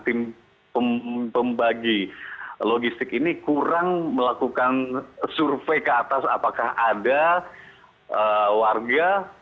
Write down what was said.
tim pembagi logistik ini kurang melakukan survei ke atas apakah ada warga